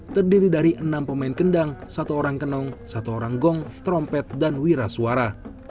terdiri dari enam pemain kendang satu orang kenong satu orang gong trompet dan wira suara